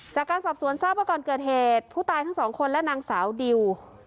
จากการสอบสวนทราบว่าก่อนเกิดเหตุผู้ตายทั้งสองคนและนางสาวดิว